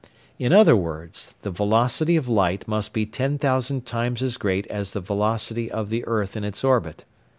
In other words, the velocity of light must be 10,000 times as great as the velocity of the earth in its orbit.